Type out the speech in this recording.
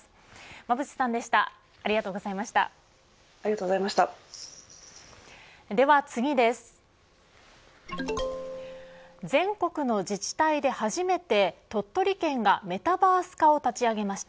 馬渕さんでした。